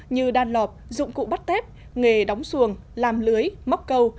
như đan lọp dụng cụ bắt tép nghề đóng xuồng làm lưới móc câu